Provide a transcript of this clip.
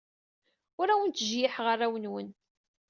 Ur awen-ttjeyyiḥeɣ arraw-nwen.